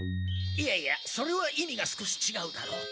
いやいやそれは意味が少しちがうだろう。